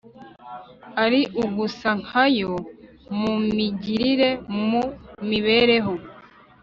ari ugusa nka yo mu migirire, mu mibereho